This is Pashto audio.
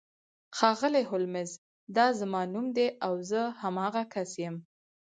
ښاغلی هولمز دا زما نوم دی او زه همغه کس یم